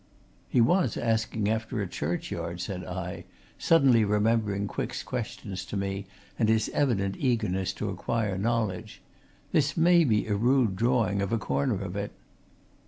"He was asking after a churchyard," said I, suddenly remembering Quick's questions to me and his evident eagerness to acquire knowledge. "This may be a rude drawing of a corner of it."